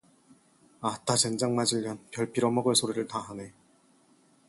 아따, 젠장맞을 년, 별 빌어먹을 소리를 다 하네.